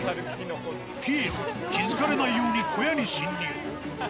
ピエロ、気付かれないように小屋に侵入。